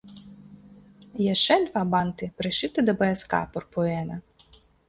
Яшчэ два банты прышыты да паяска пурпуэна.